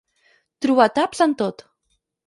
Trobar taps en tot.